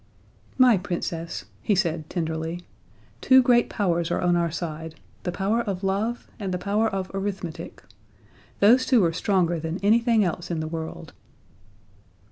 "My Princess," he said tenderly, "two great powers are on our side: the power of Love and the power of Arithmetic. Those two are stronger than anything else in the world."